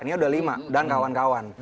ini ada lima dan kawan kawan